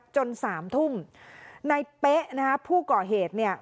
จนสามทุ่มในเป๊ะนะฮะผู้ก่อเหตุเนี่ย